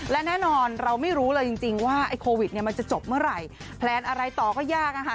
และแน่นอนเราไม่รู้เลยจริงว่าไอ้โควิดเนี่ยมันจะจบเมื่อไหร่แพลนอะไรต่อก็ยากอะค่ะ